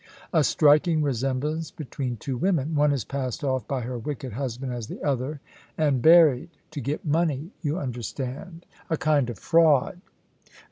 "A striking resemblance between two women. One is passed off by her wicked husband as the other, and buried to get money, you understand a kind of fraud."